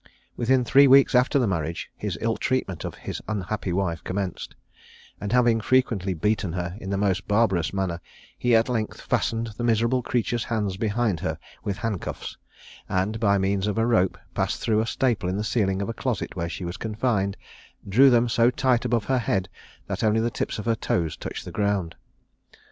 Within three weeks after the marriage, his ill treatment of his unhappy wife commenced; and having frequently beaten her in the most barbarous manner, he at length fastened the miserable creature's hands behind her with handcuffs; and, by means of a rope passed through a staple in the ceiling of a closet where she was confined, drew them so tight above her head, that only the tips of her toes touched the ground.